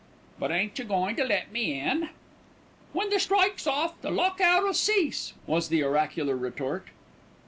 "But ain't you goin' to let me in?" "When the strike's off the lock out'll cease," was the oracular retort.